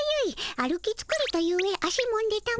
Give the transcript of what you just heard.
歩きつかれたゆえ足もんでたも。